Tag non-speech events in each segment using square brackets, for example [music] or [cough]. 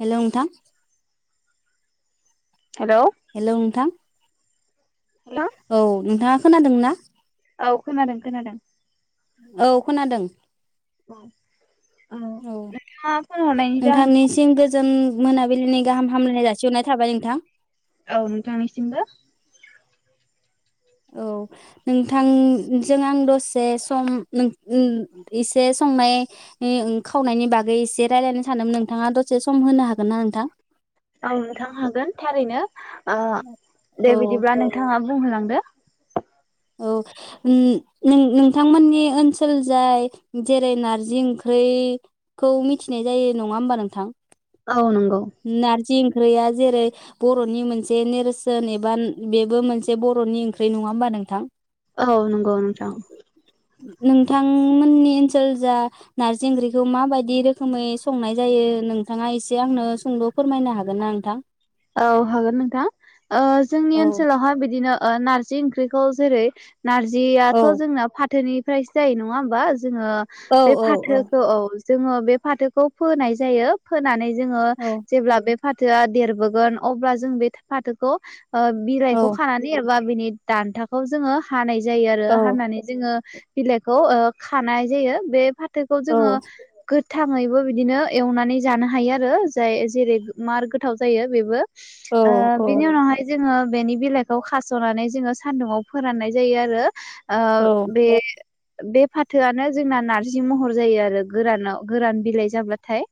हेल' नोंथां। Hello. Hello नोंथां। नोंथां औ नोंथाङा खोनादोंना? औ खोनादों खोनादों। औ खोनादों। औ। औ नोंथांनिसिम गोजोन मोना बिलिनि गाहाम हामलायनाय जासिहरनाय थाबाय नोंथां। औ नोंथांनिसिमबो। औ नोंथांजों आं दसे सम ओम एसे सम संनाय ओं खावनायनि बागै एसे रायलायनो सानदोंमोन नोंथाङा दसे सम होनो हागोन ना नोंथां? औ नोंथां हागोन थारैनो ओ दे औ बिदिब्ला नोंथाङा बुंहोलांदो औ नों नोंथांमोननि ओनसोल जाय जेरै नारजि ओंख्रि बेखौ मिथिनाय जायो नङा होमबा नोंथां औ नंगौ नारजि ओं ख्रिया जेरै बर'नि मोनसे नेरसोन एबा बेबो मोनसे बर'नि ओंख्रि नङा होमबा नोंथां। औ नंगौ नोंथां नोंथांमोननि ओन सोल जा नारजि ओंख्रिखौ मा बायदि रोखोमै संनाय जायो नोंथाङा एसे आंनो सुंद' फोरमायनो हागोन ना नोंथां औ हागोन नोंथां ओ जोंनि औ ओनसोलावहाय बिदिनो ओ नारजि ओंख्रिखौ जेरै औ नारजियाथ' जोंना फाथोनिफ्रायसो जायो नङा होमबा जोंङो औ बे फाथोखौ औ जोङो बे फाथोखौ फोनाय जायो फोनानै जोङो औ जेब्ला बे फाथोआ देरबोगोन अब्ला जों बे फाथोखौ औ बिरायखौ खानानै एबा बिनि दान्थाखौ जोङो हानाय जायो आरो औ हनानै जोङो बिलाइखौ खानाय जायो बे फा थोखौ औ जोङो गो थाङैबो बिदिनो एवनानै जानो हायो आरो जाय जेरै मार गोथाव जायो बेबो ओ औ औ बिनि उनावहाय जोङो बेनि बिलाइखौ खास'नानै जोङो सानदुङाव फोराननाय जायो आरो औ बे बे फाथोआनो जोंना नारजि महर जायो आरो गोरानाव गोरान बिलाइ जाबाथाय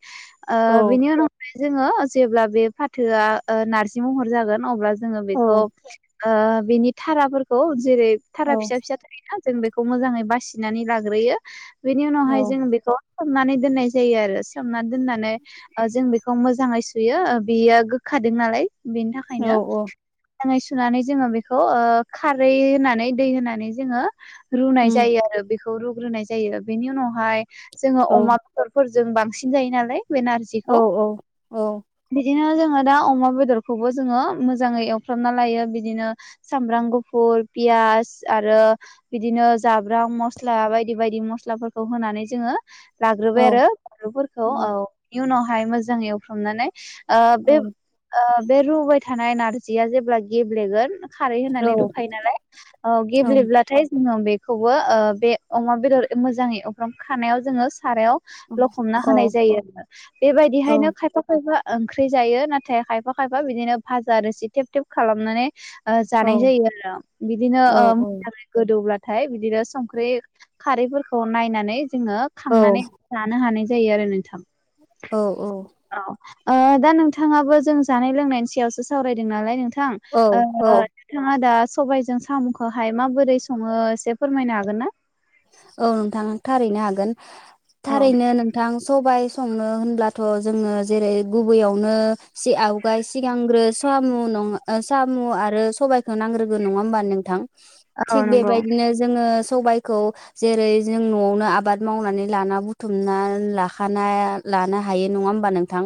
ओ बिनि उनावहाय जोङो जेब्ला बे फाथोआ ओ नारजि महर जागोन अब्ला जोङो बेखौ ओ बिनि थाराफोरखौ जेरै औ थारा फिसा फिसा थायोना जों बेखौ मोजाङै बासिनानै लाग्रोयो बेनि औ उनावहाय जों बेखौ सोमनानै दोननाय जायो आरो सोमनानै दोननानै जों बेखौ मोजाङै सुयो। बेयो गोखादों नालाय बेनि औ थाखायनो औ मोजाङै सुनानै जोङो बेखौ खारै होनानै दै होनानै जोङो। रुनाय उम जायो आरो बेखौ रुग्रोनाय जायो बेनि उनावहाय जोङो औ अमा बेदरफोर जों बांसिन जायो नालाय बे औ नारजिखौ औ औ। बिदिनो जोङो दा अमा बेदरखौबो जोङो मोजाङै एवफ्रामना लायो बिदिनो सामब्राम गुफुर पियास आरो बिदिनो जाब्रां मसला बायदि बायदि मसलाफोरखौ होनानै जोङो औ लाग्रोबाय आरो बानलुफोरखौ औ बेनि उनावहाय मोजाङ एवफ्रामनानै बे बे ओ रुबाय थानाय नारजिया जेब्ला गेब्लेगोन खारै होनानै औ रुखायो नालाय गेब्लेब्लाथाय जोङो बेखौबो ओ बे अमा बेदर मोजाङै एवफ्राम खानायाव जोङो बे सारायाव लखबना औ होनाय जायो आरो औ बेबायदिहायनो खायफा खायफा ओंख्रि जायो नाथाय खायफा खायफा बिदिनो भाजा रोसि थेब थेब खालामनानै औ जानाय जायो आरो बिदिनो औ ओ औ गोदौब्ला नाथाय बिदिनो संख्रि खारैफोरखौ नायनानै जोङो औ खांनानै जानो हानाय जायो आरो नोंथां औ औ दा नोंथाङाबो जों जानाय लोंनायनि सायावसो सावरायदों नालाय नों थां औ औ नोंथाङा दा सबायाइजों साम'खौहाय माबोरै सङो एसे फोरमायनो हागोन ना? औ नोंथां थारैनो हागोन औ थारैनो नोंथां सबाय संनो होनब्लाथ' जोङो जेरै गुबैयावनो सि आवगाय सिगांग्रो सामुन साम' आरो सबायखौ नांग्रोगौ नङा होमबा नोंथां? औ थिग नंगौ बेबायदिनो जोङो सबायखौ जेरै जों न'आवनो आबाद मावनानै लाना बुथुमना लाखाना लानो हायो नङा होन होमबा नोंथां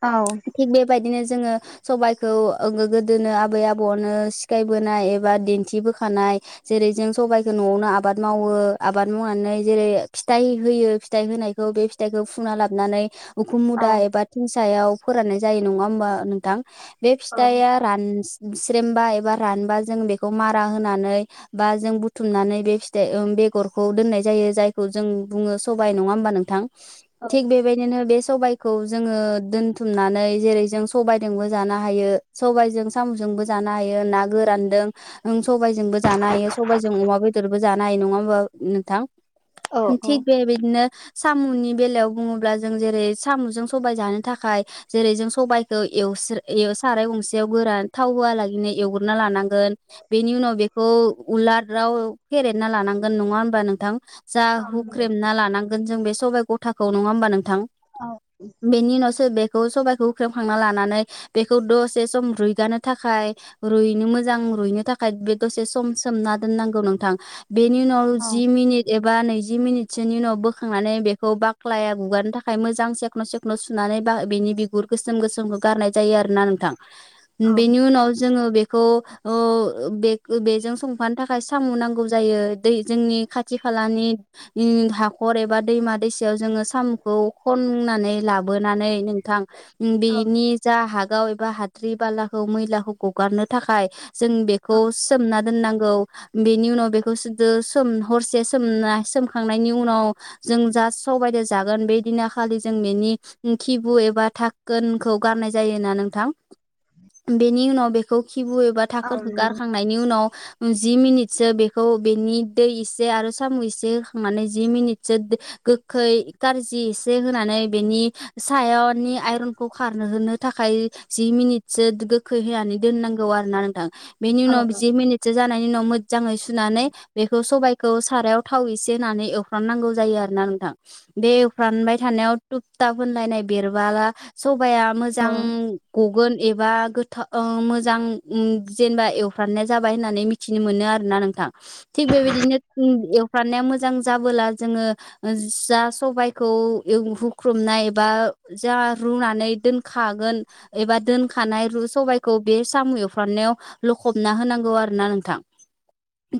औ थिग बेबायदिनो जोङो सबायखौ ओ गोदोनो आबै आबौनो सिखायबोनाय एबा दिन्थिबो होखानाय जेरै जों सबायखौ न'आवनो आबाद मावो आबाद मावनानै जेरै फिथाइ होयो फिथाइ होनायखौ बे फिथाइखौ फुना लाबोनानै उखुम औ मुदा एबा थिं सायाव फोराननाय जायो नङा होमबा नोंथां बे औ फिथाइया रान स्रेमबा एबा रानबा जों बेखौ मारा होनानै बा जों बुथुमनानै बे फिथाइ ओ बेगर खौ दोननाय जायो जायखौ जों बुङो सबाय नङा होमबा नोंथां औ थिग बेबायदिनो बे सबायखौ जोङो दोनथुम नानै जेरै जों सबायजोंबो जानो हायो सबायजों साम'जोंबो जानो हायो ना गोरानदों ओ सबायजोंबो जानो हायो सबायजों अमा बेदरबो जानो हायो नङा होमबा नोंथां औ थिग बेबायदिनो सामुनि बेलायाव बुङोब्ला जों जेरै साम'जों सबाय जानो थाखाय जेरै जों सबाइखौ एव साराय गंसेयाव गोरान थाव होहालागैनो एवग्रोना लानांगौ गोन बेनि उनाव बेखौ उलाराव फेरेदना लानांगोन नङा होमबा नोंथां जा हुख्रेमना लानांगोन जों बे सबाइ गथाखौ नङा होमबा नों थां औ बेनि उनावसो बे खौ सबायखौ होख्रेमखांना लानानै बेखौ दसे सम रुइगानो थाखाय रुइनो मोजां रुयनो थाखाय बे लोगोसे सम सोमना दोननांगौ नोंथां बेनि उनाव औ जि मनिट एब बा नैजि मिनिटसोनि उनाव बोखांनानै बेखौ बाख्लाया गुगारनो थाखाय मोजां सेख्न' सेख्न' सुनानै बा बेनि बिगुर गोसोम गोसोमखौ गारनाय जायो आरोना नोंथां औ बेनि उनाव जोङो खौ ओ बे-बेजों संफानो थाखाय साम' नांगौ जायो दै जोंनि खाथि खालानि ओ हाखर एबा दैमा दैसायाव जोङो साम'खौ खन नानै लाबोनानै नोंथां औ बेनि जा हागाव एबा हाद्रि बालाखौ मैलाखौ गगारनो थाखाय जों बेखौ सोमना दोननांगौ बेनि उनाव बेखौ सुदो हरसे सोमना-सोमखांनायनि उनाव जों जा सबदो जागोन बेदिनाखालि जों बेनि किबु एबा थाखोनखौ गारनाय जायोना नोंथां बेनि उनाव बेखौ खिबु एबा औ थाखोनखौ नंगौ गारखांनायनि उनाव जि मिनिटसो बेखौ बेनि दै एसे आरो साम' एसे होखांनानै जि मिनिटसो गोखै खारजि एसे होनानै बेनि सायावनि आइरखौ खार थाखाय जि मिनिटसो खै होनानै दोननांगौ आरो ना नोंथां बेनि औ उनाव जि मिनिटसो जानायनि उनाव मोदजाङै सुनानै बे सबायखौ सारायाव थाव इसे होनानै एवफ्राननांगौ जायो आरोना नोंथां बे एवफ्रानबाय थानायाव थुफ थाब होनलायनाय बेरबाला सबाइया मोजां गगोन एबा गोथ ओ मोजां जेनेबा एवफ्रनाया जाबाय होननानै मिथिनो मोनो आरोना नोंथां थिग बेबायदिनो ओ एवफ्रानाया मोजां जाबोला जोङो जा सबायखौ एव हुख्रुमनाय एबा जा रुनानै दोनखागोन एबा दोनखानाय सबायखौ बे साम' एवफ्रनायाव लखबना होनांगौ आरोना नोंथां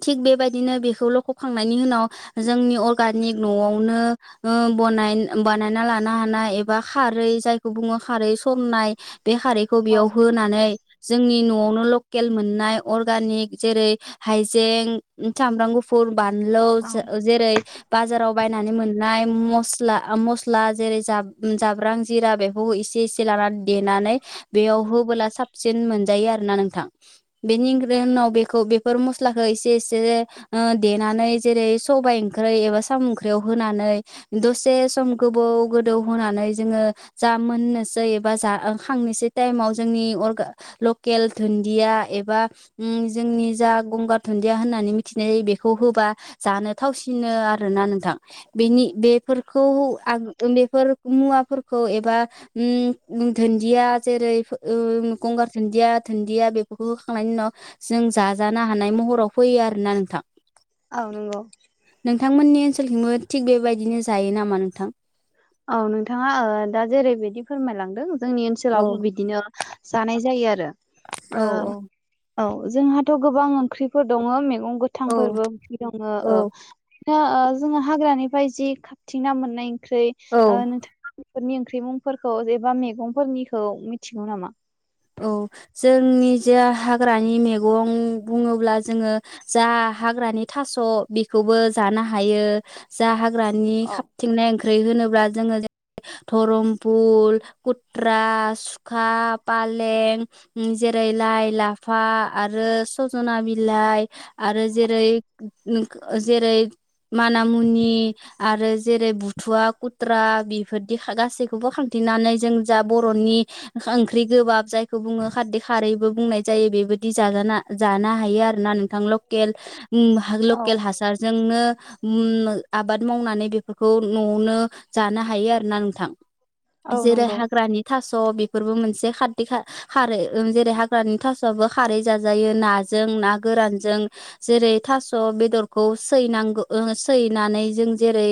थिग बेबायदिनो बेखौ लख'खांनायनि उनाव जोंनि अरगानिक न'आवनो बनाय बानायना लानो हानाय एबा खारै जायखौ बुङो खारै सरनाय बे खारैखौ औ बेयाव होनानै जोंनि न'आवनो लकेल मोननाय अरगानिक जेरै हाइजें सामब्राम गुफुर बानलौ औ जेरै बाजाराव बायनानै मोन मोननाय मस्ला मस्ला जेरै जाब्रां जिरा बेफोरखौ इसे इसे लानानै देनाय नानै बेयाव होबोला साबसिन मोनजायो आरोना नोंथां बेनि [unintelligible] उनाव बेफोर मस्लाखौ एसेस से ओ देनानै जेरै सबाय ओंख्रै एबा साम' ओंख्रियाव होनानै दसेस सम गोबौ गोदौ होनानै जोङो जा मोननोसै एबा जा खांनोसै टाइमाव जों नि अरगा लकेल धुनदिया एबा जोंनि जा गंगार धुनदिया होनना मिथिनाय जायो, बेखौ होबा जानो थावसिनो आरोना नोंथांनि। बेनि बेफोरखौ उ आं ओ बेफोर मुवाफोरखौ एबा धोनदिया जेरै ओ गंगार धुन्दिया धोन्दिया बेफोरखौ होखांनायनि उनाव जों जाजानो हानाय महराव फैयो आरोना नोंथां। औ नंगौ। नोंथांमोननि ओनसोलथिंबो थिग बेबायदिनो जायो नामा नोंथां? औ नोंथाङा दा जेरैबायदि फोरमायलांदों जोंनि औ ओनसोलावबो बिदिनो जानाय जायो आरो। औ ओ औ जोंहाथ' गोबां ओंख्रिफोर दङो मैगं औ गोथांफोरबो ओंख्रि दङो औ। जोङो हाग्रानिफ्राय जि खांथिंना मोननाय ओंख्रै ओ औ नोंथां फोरनि ओंख्रि मुंफोरखौ एबा मेगंफोरनिखौ मिथिगौ नामा? औ जोंनि जे हाग्रानि मेगं बुङोब्ला जोङो जा हाग्रानि थास' बेखौबो जानो हायो। जा हाग्रानि औ खाबथिंनाय ओं ख्रै होनोब्ला जोङो धरमफुल खुथ्रा, सुखाब पालें जेरै लाइ, लाफा आरो सजना बिलाइ आरो जेरै [unintelligible] जेरै माना मुनि आरो जेरै बुथुवा खुत्रा बेफोरदि गासैखौबो खांथिनानै जों जा बर'नि [unintelligible] ओंख्रि गोबाब जायखौ बुङो खाददै खारैबो बुंनाय जायो। बेबायदि जाजाना जानो हायो आरोना नोंथां। ल केल औ लकेल हासारजोंनो आबाद मावनानै बेफोरखौ न'आवनो जानो हायो आरोना नोंथां। औ जेरै नंगौ हाग्रानि थास' बेफोरबो मोनसे खाददै खा-खारै जेरै हाग्रानि थास'वाबो खारै जाजायो नाजों, ना गोरानजों। जेरै थास' बेदरखौ सैनांगो सैनानै जों जेरै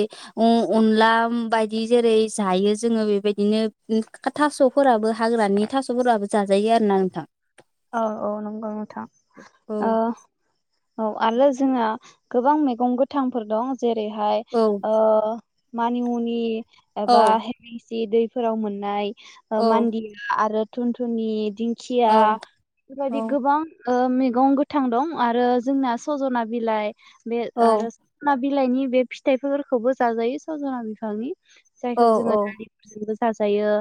अनला बायदि जेरै जायो जोङो बेबायदिनो थास'फोराबो हाग्रानि थास'फोराबो जाजायो आरो ना नोंथां। औ औ नंगौ नोंथां। ओ औ औ आरो जोंहा गोबां मैगं गोथांफोर दं जेरैहाय औ ओ मानिमुनि एबा औ हेलायसि दैफोराव मोननाय। औ मान्दिया आरो थुनथुनि, औ दिंखिया बेबायाददि औ गोबां मैगं गोथां दं आरो जोंना सजना बिलाइ बे औ आरो सना बिलाइनि बे फिथाइफोरखोबो जाजायो सजना बिफांनि औ जायखौ जोङो दालिफोरजोंबो जाजायो,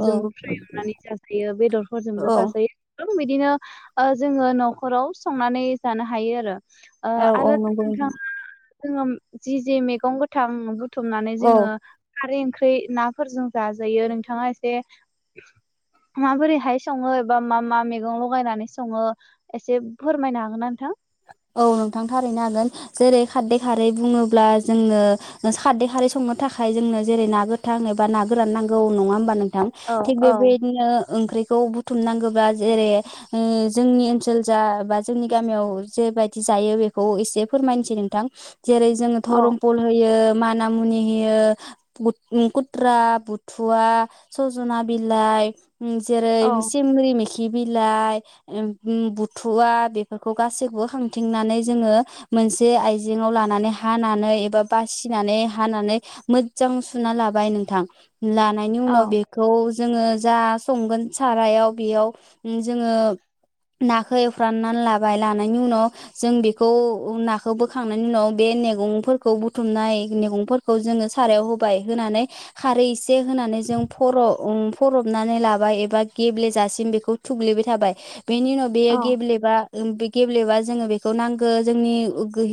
औ फ्राय एवनानै जाजायो, बेदरफोरजोंबो औ जाजायो। बिदिनो औ जोङो न'खराव संनानै जानो हायो आरो। औ आरो [inaudible] जोङो जि जे मैगं गोथां बु थुमनानै औ जोङो खारै ओंख्रै नाफोरजों जाजायो, नोंथाङा एसे माबोरैहाय सङो एबा मा मा मेगं लगायनानै सङो, एसे फोरमायनो हागोन ना नोंथां? [inaudible] औ नोंथां थारैनो हागोन। जेरै खाददै खारै बुङोब्ला जोंंनो खाददै खारै संनो थाखाय थाखाय जोंनो जेरै ना गोथां एबा ना गोरान नांगौ नङा होमबा नोंथां। औ थिग औ बेबायदिनो ओंख्रै खौ बुथुमनांगौबा जेरै जोंनि ओनसोल जा बा जोंनि गामियाव जेबादि जायो बेखौ एसे फोरमायनोसै नोंथां। जेरै जोंङो औ धरमपल होयो, माना मुनि होयो, खुथ्रा, बुथुवा, सजना बिलाइ जेरै औ सिंब्रि मिखि खि बिलाइ बुथुवा बेफोरखौ गासैखौबो खांथिंनानै जोङो मोनसे आइजेङाव लानानै हानानै एबा बासिनानै हानानै मोज्जां सुना लाबाय नोंथां। लानायनि उनाव बेखौ जोङो जा संगोन सारायाव बेयाव जोङो नाखौ एवफ्रामनानै लाबाय लानायनि उनाव जों बेखौ नाखौ बोखांनायनि उनाव बे मैगंफोरखौ बुथुमनाय मैगंफोरखौ जों जोंङो सारायाव होबाय होनानै खारै एसे होनानै जों फर फरबनानै लाबाय एब बा गेब्लेेजासिम बेखौ थुग्लेबाय थाबाय बेनि उनाव बेयो औ गेब्लेबा गेब्लेबा जोङो बेखौ नांगौ जोंनि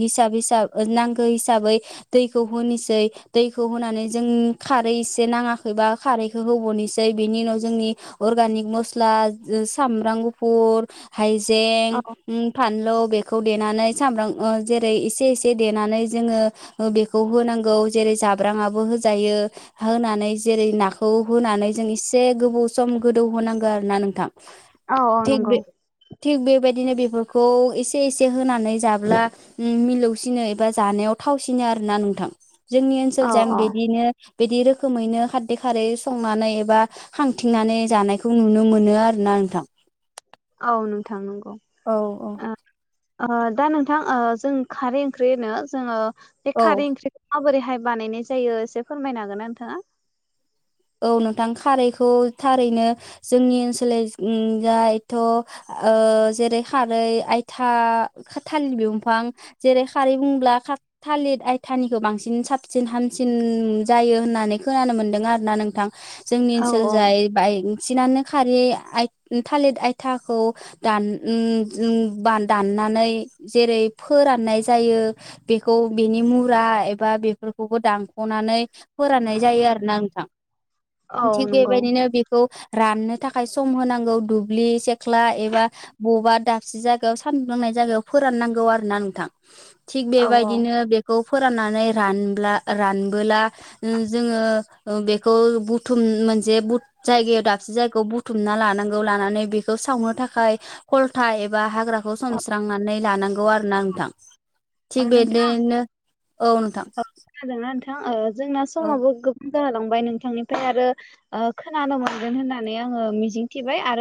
हिसाब हिसाब नांगौ हिसाबै दैखौ होनिसै दैखौ होनानै जों खारै एसे नाङाखैबा खारैखौ होबावनोसै बेनि उनाव जोंनि अर्गानिक मस्ला सामब्राम गुफुर हायजें औ फानलु बेखौ देनानै सामब्राम ओ जे इसे एसे देनानै जोङो ओ बेखौ होनांगौ जेरै जाब्रांआबो होजाय होनानै जेरै नाखौ होनानै जों एसे गोबाव सम गोदौ होनोनांगौ आरो ना नोंथां औ औ थिग नंगौ बे थिग बेबायदिनो बेफोरखौ एसे एसे एसे होनानै जाब्ला मिलौसिनो एबा जानायाव थावसिनो आरोना नोंथां जोंनि औ ओनसोलजों औ बिदिनो बिदि रोखोमैनो खारदै खारै संनानै एबा खांथिंनानै जानायखौ नुनो मोनो आरोना नोंथां [inaudible] औ नोंथां नंगौ औ औ ओ ओ दा नों नोंथां जों खारै ओंख्रि होनो जोंङो बे औ खारै ओंख्रिरिखौ माबोरैहाय बानायनाय जायो एसे फोरमायनो हागोना नोंथाङा? औ नोंथां खारैखौ थारैनो जोंनि ओनसोल दा एथ' ओ जेरै खारै आयथा खाथालिर बिफां जेरै खारै बुंब्ला थालिर आयथानिखौ बांसिन साबसिन हामसिन जायो होननानै खोनानो मोन्दों आरोना नों जोंनि औ ओनसोल औ जाय बायक बांसिनानो खारै आ-थालिर आयथाखौ दान उम उम बा दान नानै जेरै फोराननाय जायो बेखौ बेनि मुरा एबा बेफोरखौ बो दानख'नानै फोराननाय जायो आरोना नोंथां। औ थिग नंगौ बेबायदिनो बेखौ राननो थाखाय सम होनांगौ दुब्लि सेख्ला एबा बबेबा दाबसे जायगायाव सानदुंनांनाय जायगायाव फोराननांगौ आरो ना नोंथां। थिग औ औ बेबायदिनो बेखौ फोराननानै रानब्ला रानबोला जों ओ बेखौ खौ बुथुम मोनसे जायगायाव दाबसे जायगायाव बुथुमना लानांगौ लानानै बेखौ सावनो थाखाय थाखाय खलथा एबा हाग्राखौ सोमस्रांनानै लानांगौ आरो ना नोंथां। थिग नोंथां बेदिनो औ नोंथां। खोनादोंना नोंथां जोंना औ समावबो गो जाहोलांबाय नोंथांनिफ्राय आरो ओ खोनानो मोनगोन होननानै आङ मिजिंथिबाय आरो